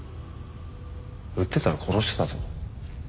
売ってたら殺してたぞ。